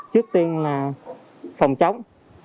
trước tiên là phòng chống